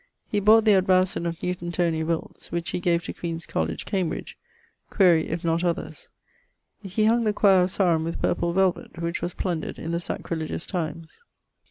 He bought the advowson of Newton tony, Wilts, which he gave to Queene's College, Cambridge quaere if not others. He hung the choire of Sarum with purple velvet, which was plundered in the sacrilegious times.